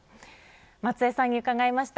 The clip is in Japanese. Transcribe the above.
松江さんに伺いました。